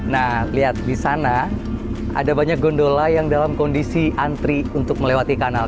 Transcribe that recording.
nah lihat di sana ada banyak gondola yang dalam kondisi antri untuk melewati kanal